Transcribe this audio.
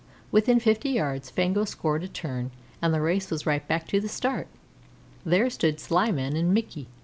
Within fifty yards Fango scored a turn, and the race was right back to the start. There stood Slyman and Mickey.